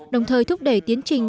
đồng thời thúc đẩy tiến trình